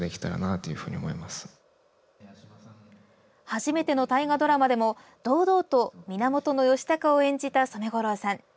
初めての大河ドラマでも堂々と源義高を演じた染五郎さん。